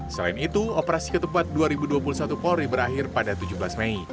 selain itu operasi ketupat dua ribu dua puluh satu polri berakhir pada tujuh belas mei